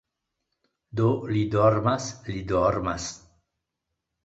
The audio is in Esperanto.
Do li dormas, li dormas